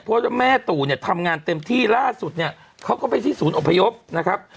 เพราะว่าแม่ตู่เนี่ยทำงานเต็มที่ล่าสุดเนี่ยเขาก็ไปที่ศูนย์อพยพนะครับ